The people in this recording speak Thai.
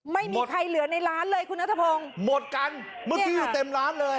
ไม่มีใครเหลือในร้านเลยคุณนัทพงศ์หมดกันเมื่อกี้อยู่เต็มร้านเลย